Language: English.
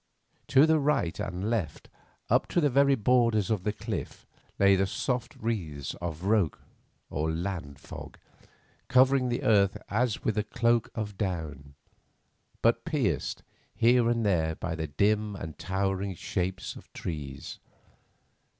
To the right and left, up to the very borders of the cliff, lay the soft wreaths of roke or land fog, covering the earth as with a cloak of down, but pierced here and there by the dim and towering shapes of trees.